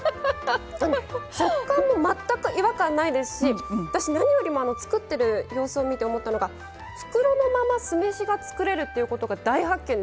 あの食感も全く違和感ないですし私何よりもあの作ってる様子を見て思ったのが袋のまま酢飯が作れるということが大発見でした。